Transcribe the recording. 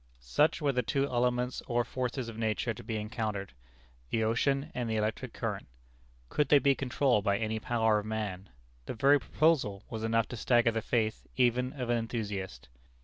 Such were the two elements or forces of nature to be encountered the ocean and the electric current. Could they be controlled by any power of man? The very proposal was enough to stagger the faith even of an enthusiast.